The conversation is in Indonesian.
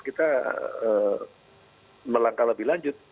kita melangkah lebih lanjut